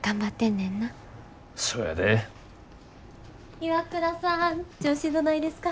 岩倉さん調子どないですか？